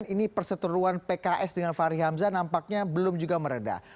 ini perseteruan pks dengan fahri hamzah nampaknya belum juga meredah